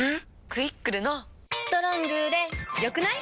「クイックル」の「『ストロング』で良くない？」